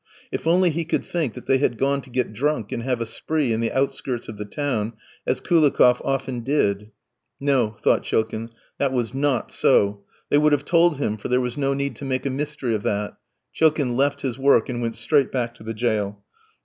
If only he could think that they had gone to get drunk and have a spree in the outskirts of the town, as Koulikoff often did. No, thought Chilkin, that was not so. They would have told him, for there was no need to make a mystery of that. Chilkin left his work, and went straight back to the jail.